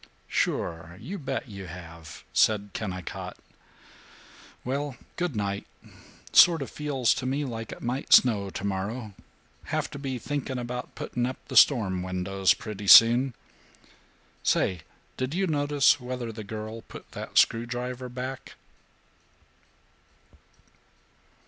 "Sure. You bet you have," said Kennicott. "Well, good night. Sort of feels to me like it might snow tomorrow. Have to be thinking about putting up the storm windows pretty soon. Say, did you notice whether the girl put that screwdriver back?"